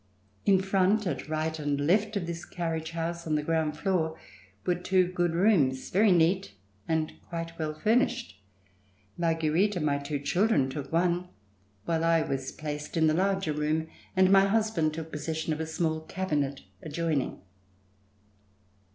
In front, at right and left of this carriage house on the ground floor were two good rooms, very neat and quite well C307] RECOLLECTIONS OF THE REVOLUTION furnished. Marguerite and my two children took one, while I was placed in the larger room, and my hus band took possession of a small cabinet adjoining.